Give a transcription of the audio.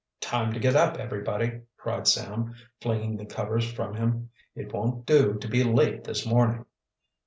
"Time to get up, everybody!" cried Sam, flinging the covers from him. "It won't do to be late this morning."